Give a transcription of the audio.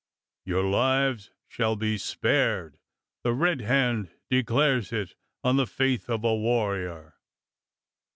"Your lives shall be spared. The Red Hand declares it on the faith of a warrior."